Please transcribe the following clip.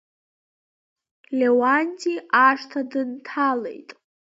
Леуанти ашҭа дынҭалеит.